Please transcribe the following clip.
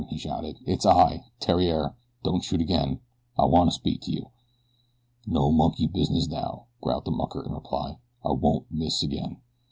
he shouted. "It's I, Theriere. Don't shoot again, I want to speak to you." "No monkey business now," growled the mucker in reply. "I won't miss again."